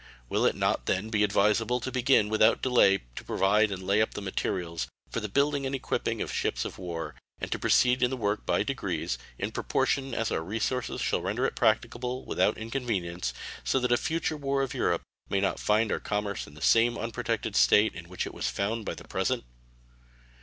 Will it not, then, be advisable to begin without delay to provide and lay up the materials for the building and equipping of ships of war, and to proceed in the work by degrees, in proportion as our resources shall render it practicable without inconvenience, so that a future war of Europe may not find our commerce in the same unprotected state in which it was found by the present?